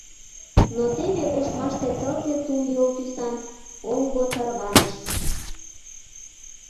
Но теве ошмаште тылзе тулйол тӱсан оҥго тарваныш.